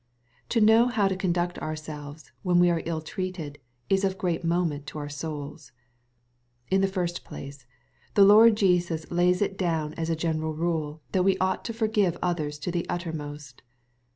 To know how to conduct ourselves, when we are ill treated, is of great moment to our souls. In the first place, the Lord Jesus lays it doton as a general rtde, that we ought to forgive others to the uttermost.